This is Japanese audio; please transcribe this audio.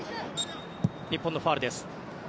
日本のファウルです。